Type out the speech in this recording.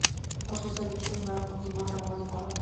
Por sus servicios Bragg obtuvo el rango de Coronel.